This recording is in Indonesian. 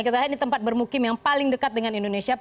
kita lihat ini tempat bermukim yang paling dekat dengan indonesia